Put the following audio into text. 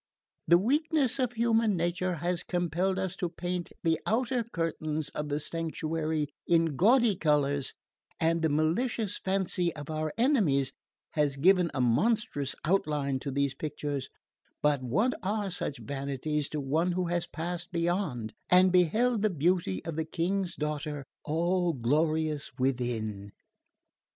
The weakness of human nature has compelled us to paint the outer curtain of the sanctuary in gaudy colours, and the malicious fancy of our enemies has given a monstrous outline to these pictures; but what are such vanities to one who has passed beyond, and beheld the beauty of the King's daughter, all glorious within?"